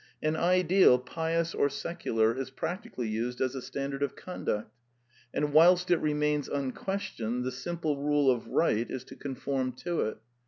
An ideal, pious or secular, is practi cally used as a standard of conduct; and whilst it remains unquestioned, the simple rule of right is to conform to it.